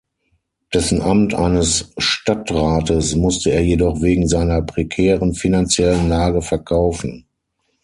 Dessen Amt eines Stadtrates musste er jedoch wegen seiner prekären finanziellen Lage verkaufen.